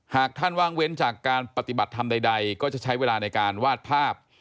หากท่านว่างเว้นจากการปฏิบัติธรรมใดก็จะใช้เวลาในการวาดภาพ